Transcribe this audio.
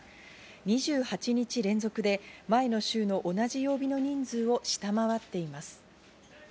２８日連続で前の週の同じ曜日の人数を下回っています。